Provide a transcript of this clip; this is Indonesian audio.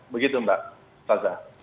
begitu mbak saza